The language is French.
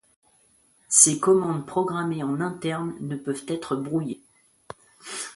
Ses commandes programmées en interne ne peuvent être brouillées.